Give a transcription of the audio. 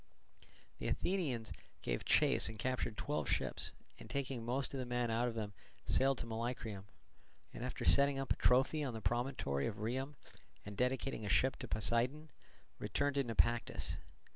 The Athenians gave chase and captured twelve ships, and taking most of the men out of them sailed to Molycrium, and after setting up a trophy on the promontory of Rhium and dedicating a ship to Poseidon, returned to Naupactus.